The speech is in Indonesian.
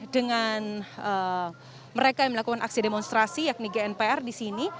dan mereka yang melakukan aksi demonstrasi yakni gnpr di sini